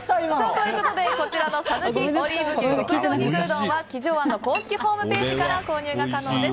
ということでこちらの讃岐オリーブ牛極上肉うどんは亀城庵の公式ホームページから購入が可能です。